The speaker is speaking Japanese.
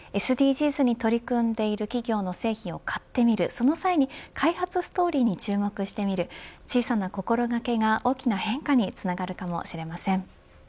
ＳＤＧｓに取り組んでいる企業の製品を買ってみるその際に開発ストーリーに注目してみる小さな心掛けが、大きな変化につながるかもしれません。